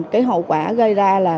cái hậu quả gây ra là